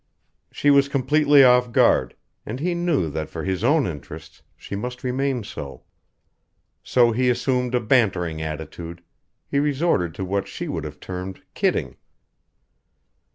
She was completely off guard and he knew that for his own interests, she must remain so. So he assumed a bantering attitude he resorted to what she would have termed "kidding."